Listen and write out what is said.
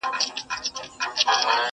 قلندر ولاړ وو خوله يې ښورېدله.!